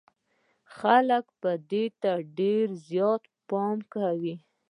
خلک به ده ته ډېر زيات پام کوي.